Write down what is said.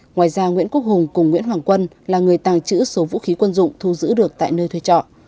ngoài ra nguyễn quốc hùng cùng nguyễn hoàng quân là người tàng trữ số vũ khí quân dụng thu giữ được tại nơi thuê trọ